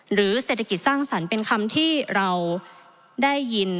หรือเศรษฐกิจสร้างสรรค์เป็นคำที่เราได้ยิน